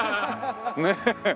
ねえ？